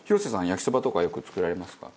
焼きそばとかよく作られますか？